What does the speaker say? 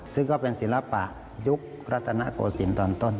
ซึ่งก็เป็นศิลปะยุครัฐนโกศิลป์ตอนต้น